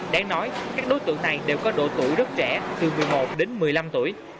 đáng nói các đối tượng này đều có độ tuổi rất trẻ từ một mươi một đến một mươi năm tuổi